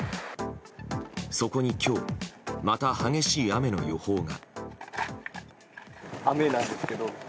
そこに今日また激しい雨の予報が。